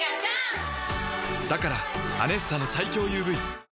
だから「アネッサ」の最強ＵＶ